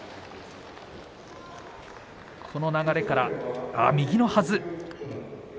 この流れから右のはず。